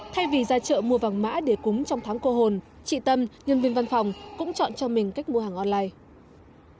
thay vì ra chợ mua vàng mã để cúng trong tháng cô hồn chị tâm nhân viên văn phòng cũng chọn cho mình cách mua hàng online